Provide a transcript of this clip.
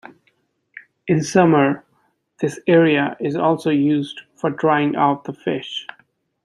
In summer, this area is also used for drying out the fish.